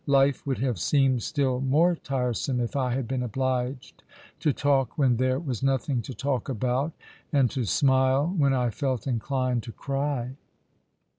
" Life would have seemed still more tiresome if I had been obliged to talk when there was nothing to talk about, and to smile when I felt inclined to cry."